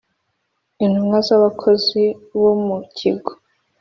intumwa z abakozi bomu Kigo